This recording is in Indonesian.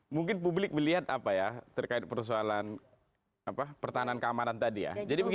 mungkin publik melihat apa ya terkait persoalan pertahanan keamanan tadi ya